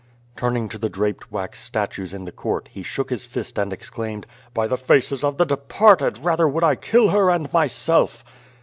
Turning to the draped wax statues in the court, he shook his fist and exclaimed: "By the faces of the departed, rather would I kill her and myself!"